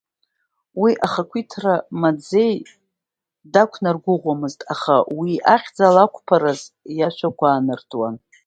Уи ахақәиҭра маӡеи дақәнаргәыӷуамызт, аха уи ахьӡала ақәԥараз ишәқәа аанартуан…